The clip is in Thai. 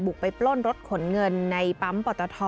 ไปปล้นรถขนเงินในปั๊มปอตท